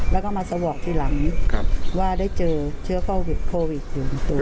แล้วก็มาสวอกทีหลังว่าได้เจอเชื้อโควิดโควิดอยู่